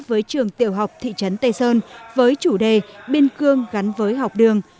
với trường tiểu học thị trấn tây sơn với chủ đề biên cương gắn với học đường